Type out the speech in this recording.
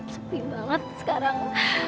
sepi banget sekarang